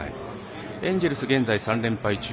エンジェルス現在３連敗中。